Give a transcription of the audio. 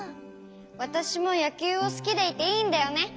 わたしもやきゅうをすきでいていいんだよね。